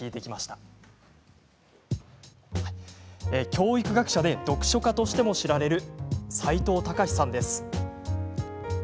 教育学者で読書家としても知られる齋藤孝さんです。